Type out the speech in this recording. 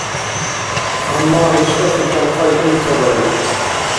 Амма виштӀаси талхъай имцӀабариб.